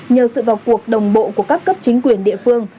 nhờ sự vào cuộc đồng bộ của các cấp chính quyền địa phương